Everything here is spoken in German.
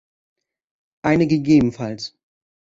Eine ggf.